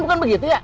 bukan begitu ya